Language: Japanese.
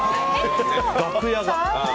楽屋が。